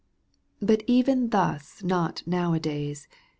But even thus not now a days